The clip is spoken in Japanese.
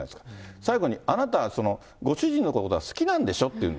最後に、あなたはその、ご主人のことが好きなんでしょ？って言うの。